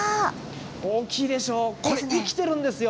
大きいでしょう、これ、生きてるんですよ。